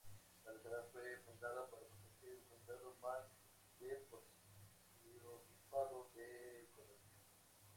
La localidad fue fundada para proteger el condado "Mark" del arzobispado de Colonia.